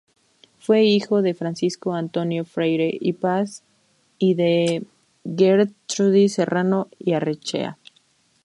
Fue hijo de Francisco Antonio Freire y Paz y de Gertrudis Serrano y Arrechea.